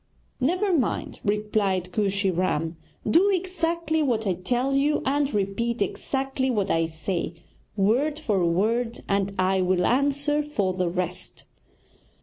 'Never mind!' replied Kooshy Ram, 'do exactly what I tell you, and repeat exactly what I say, word for word, and I will answer for the rest.'